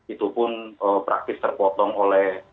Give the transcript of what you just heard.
itu pun praktis terpotong oleh